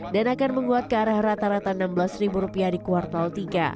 dan akan menguat ke arah rata rata enam belas rupiah di kuartal tiga